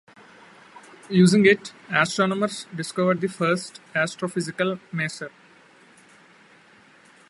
Using it, astronomers discovered the first astrophysical maser.